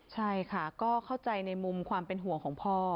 ใช่ค่ะก็เข้าใจในมุมความเป็นห่วงของพ่อ